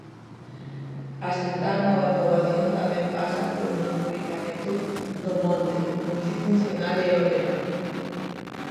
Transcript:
Asentar nova poboación tamén pasa por un aproveitamento do monte multifuncional e ordenado.